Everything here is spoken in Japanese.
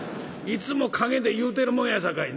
いつも陰で言うてるもんやさかい」。